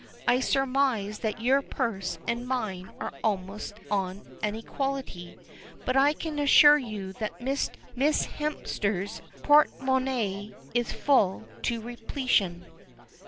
I surmise that your purse and mine are almost on an equality, but I can assure you that Miss Hemster's portemonnaie is full to repletion."